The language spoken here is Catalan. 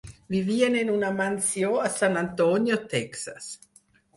Vivien en una mansió a San Antonio, Texas.